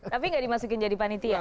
tapi nggak dimasukin jadi panitia ya